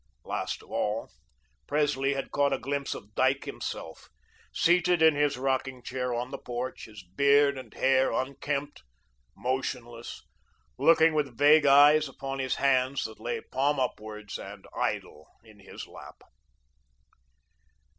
Last of all, Presley had caught a glimpse of Dyke himself, seated in his rocking chair on the porch, his beard and hair unkempt, motionless, looking with vague eyes upon his hands that lay palm upwards and idle in his lap.